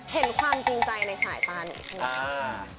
เห็นความจริงใจในสายตาหนูใช่ไหม